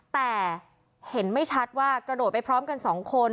แต่เห็นไม่ชัดว่ากระโดดไปพร้อมกัน๒คน